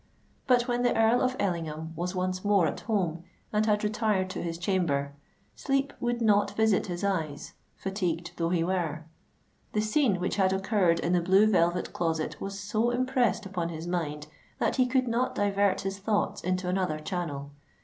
But when the Earl of Ellingham was once more at home, and had retired to his chamber, sleep would not visit his eyes, fatigued though he were:—the scene which had occurred in the Blue Velvet Closet was so impressed upon his mind, that he could not divert his thoughts into another channel.